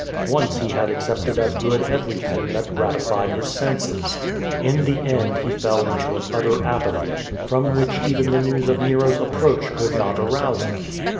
Once he had accepted as good everything that gratified his senses. In the end he fell into an utter apathy, from which even the news of Nero's approach could not arouse him.